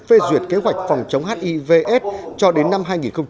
phê duyệt kế hoạch phòng chống hivs cho đến năm hai nghìn ba mươi